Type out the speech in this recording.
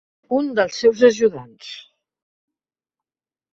Un dels seus ajudants.